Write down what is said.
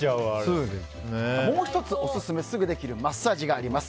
もう１つオススメすぐできるマッサージがあります。